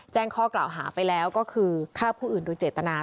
แจ้งข้อกล่าวหาไปแล้วก็คือฆ่าผู้อื่นโดยเจตนา